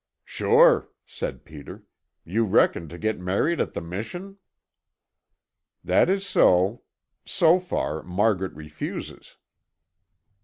"Sure," said Peter. "You reckoned to get married at the Mission?" "That is so. So far, Margaret refuses."